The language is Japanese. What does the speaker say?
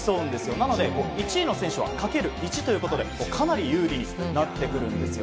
なので１位の選手は×１ということでかなり有利になってくるんです。